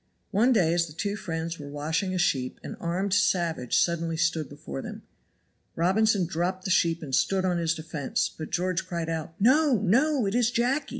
One day as the two friends were washing a sheep an armed savage suddenly stood before them. Robinson dropped the sheep and stood on his defense, but George cried out, "No! no! it is Jacky!